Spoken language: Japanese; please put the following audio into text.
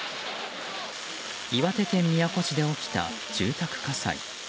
岩手県宮古市で起きた住宅火災。